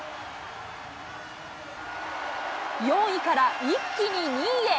４位から一気に２位へ。